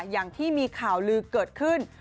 อย่างที่มีข่าวลือเกิดขึ้น